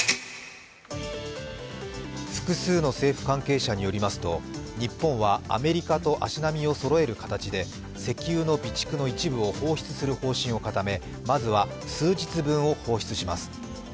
複数の政府関係者によりますと、日本はアメリカと足並みをそろえる形で石油の備蓄の一部を放出する方針を固め、まずは数日分を放出します。